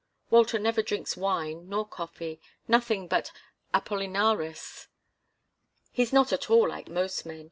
Walter never drinks wine, nor coffee nothing but Apollinaris. He's not at all like most men.